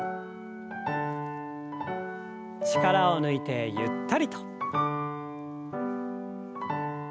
力を抜いてゆったりと。